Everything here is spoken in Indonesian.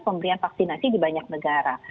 pemberian vaksinasi di banyak negara